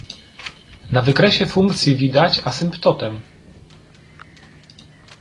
Na wykresie funkcji widać asymptotę.